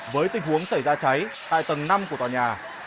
với tình huống xảy ra cháy tại tầng năm của tòa nhà